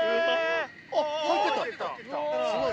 あっ入ってった。